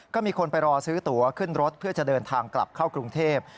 ก็มีคนไปรอซื้อตัวขึ้นรถเพื่อจะเดินทางกลับเข้ากรุงเทพ